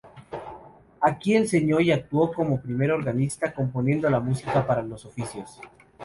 Aquí enseñó y actuó como primer organista, componiendo la música para los oficios.